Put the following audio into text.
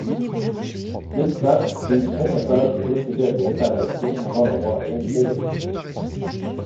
L'équipage fut incapable de procéder à des réparations avant d'avoir atteint Singapour.